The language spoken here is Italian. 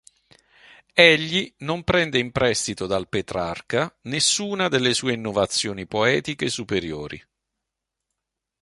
Egli non prende in prestito dal Petrarca nessuna delle sue innovazioni poetiche superiori.